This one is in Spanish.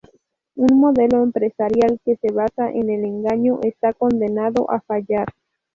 Un modelo empresarial que se basa en el engaño está condenado a fallar.